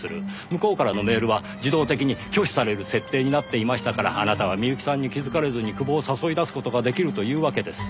向こうからのメールは自動的に拒否される設定になっていましたからあなたは深雪さんに気づかれずに久保を誘い出す事が出来るというわけです。